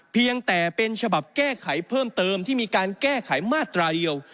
เพียงแต่เป็นฉบับแก้ไขเพิ่มเติมที่มีการแก้ไขมาตราเดียว